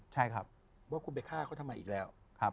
ว่าคุณไปฆ่าเขาทำไมอีกแล้ว